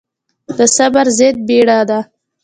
د صبر ضد بيړه ده.